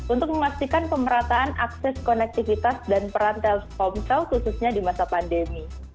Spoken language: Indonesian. untuk memastikan pemerataan akses konektivitas dan peran telkomsel khususnya di masa pandemi